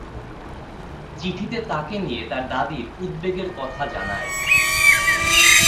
চিঠিতে তাকে নিয়ে তার দাদীর উদ্বেগের কথা জানায়।